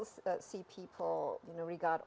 dan apakah anda masih melihat orang orang